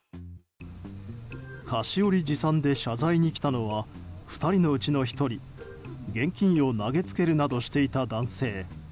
菓子折り持参で謝罪に来たのは２人のうちの１人現金を投げつけるなどしていた男性。